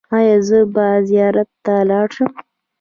ایا زه به زیارت ته لاړ شم؟